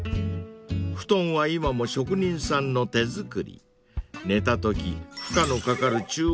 ［布団は今も職人さんの手作り］